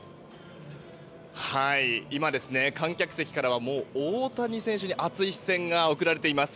観客席からは大谷選手に熱い視線が送られています。